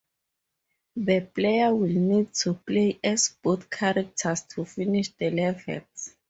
The player will need to play as both characters to finish the levels.